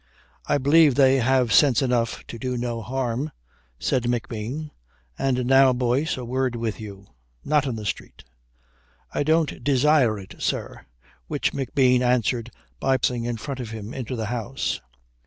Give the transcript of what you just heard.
"I believe they have sense enough to do no harm," said McBean. "And now, Boyce, a word with you. Not in the street." "I don't desire it, sir," which McBean answered by passing in front of him into the house.